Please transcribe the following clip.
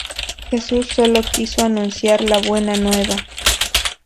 Jesús solo quiso anunciar la Buena Nueva.